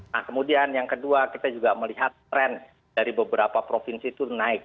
nah kemudian yang kedua kita juga melihat tren dari beberapa provinsi itu naik